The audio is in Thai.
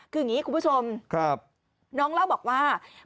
คืออย่างนี้คุณผู้ชมน้องเล่าบอกว่า